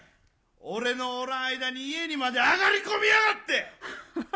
俺のおらん間に家にまで上がり込みやがって！